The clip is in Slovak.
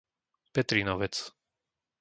Petrínovec